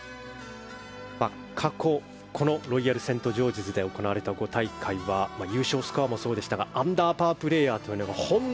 過去ロイヤルセントジョージズで行われた５大会は優勝スコアもそうでしたがアンダーパープレーヤーがほんの